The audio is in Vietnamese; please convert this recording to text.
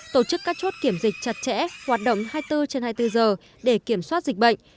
tổ chức các chốt kiểm dịch chặt chẽ hoạt động hai mươi bốn trên hai mươi bốn giờ để kiểm soát dịch bệnh